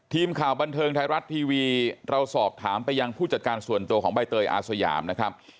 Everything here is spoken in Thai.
ทีมข่าวบันเทิงไทยรัฐทีวีเราสอบถามไปยังผู้จัดการส่วนตัวของใบเตยอาสยามนะครับ